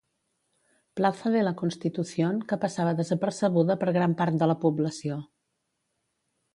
Plaza de la Constitución, que passava desapercebuda per gran part de la població.